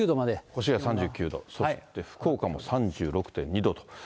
越谷３９度、そして福岡も３６．２度と。